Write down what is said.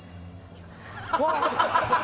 うわっ。